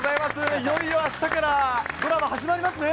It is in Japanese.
いよいよあしたからドラマ、始まりますね。